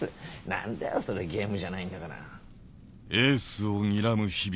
何だよそれゲームじゃないんだから。